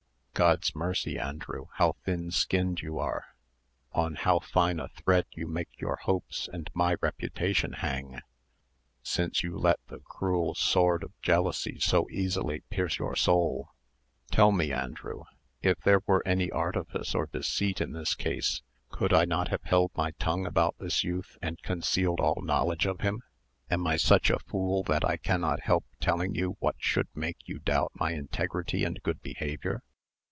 "God's mercy, Andrew, how thin skinned you are! On how fine a thread you make your hopes and my reputation hang, since you let the cruel sword of jealousy so easily pierce your soul. Tell me, Andrew, if there were any artifice or deceit in this case, could I not have held my tongue about this youth, and concealed all knowledge of him? Am I such a fool that I cannot help telling you what should make you doubt my integrity and good behaviour?